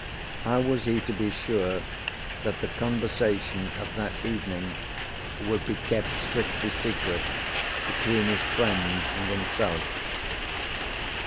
How was he to be sure that the conversation of that evening would be kept strictly secret between his friend and himself?